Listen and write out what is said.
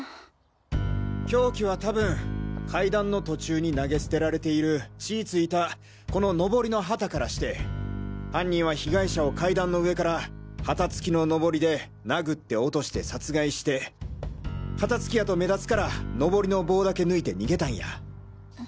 凶器は多分階段の途中に投げ捨てられている血ぃ付いたこのノボリの旗からして犯人は被害者を階段の上から旗付きのノボリで殴って落として殺害して旗付きやと目立つからノボリの棒だけ抜いて逃げたんや。